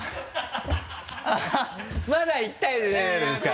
まだ１−０ですから。